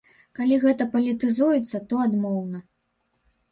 Калі гэта палітызуецца, то адмоўна.